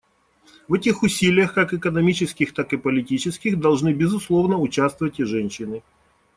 В этих усилиях, как экономических, так и политических, должны, безусловно, участвовать и женщины.